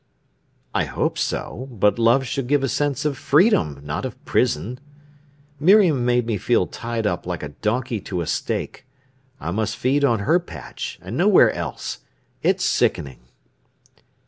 "I hope so; but love should give a sense of freedom, not of prison. Miriam made me feel tied up like a donkey to a stake. I must feed on her patch, and nowhere else. It's sickening!"